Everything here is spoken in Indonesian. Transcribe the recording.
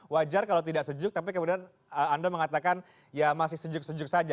wajar kalau tidak sejuk tapi kemudian anda mengatakan ya masih sejuk sejuk saja